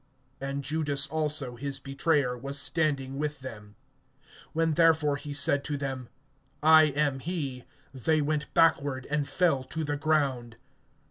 And Judas also, his betrayer, was standing with them. (6)When therefore he said to them, I am he, they went backward, and fell to the ground.